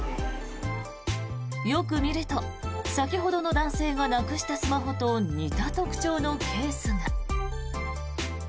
よく見ると先ほどの男性がなくしたスマホと似た特徴のケースが。